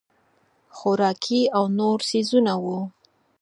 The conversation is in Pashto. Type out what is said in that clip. خوراکي او نور څیزونه وو.